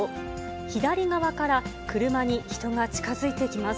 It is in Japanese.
左側から車に人が近づいてきます。